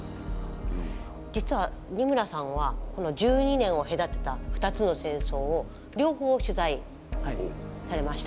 実は二村さんはこの１２年を隔てた２つの戦争を両方取材されました。